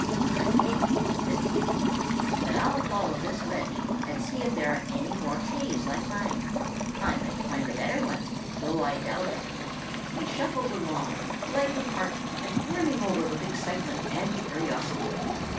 "I think," said he, "that I'll follow this ledge and see if there are any more caves like mine. I might find a better one, though I doubt it." He shuffled along, light of heart and brimming over with excitement and curiosity.